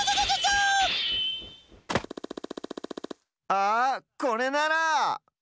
あこれなら！